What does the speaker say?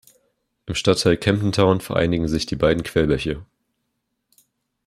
Im Stadtteil Camden Town vereinigen sich die beiden Quellbäche.